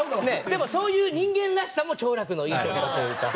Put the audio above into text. でもそういう人間らしさも兆楽のいいところというか。